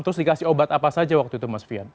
terus dikasih obat apa saja waktu itu mas fian